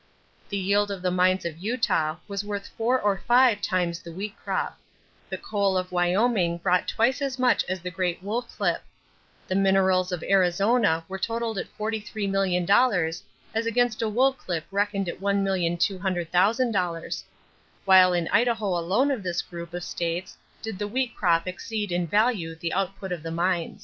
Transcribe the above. The yield of the mines of Utah was worth four or five times the wheat crop; the coal of Wyoming brought twice as much as the great wool clip; the minerals of Arizona were totaled at $43,000,000 as against a wool clip reckoned at $1,200,000; while in Idaho alone of this group of states did the wheat crop exceed in value the output of the mines.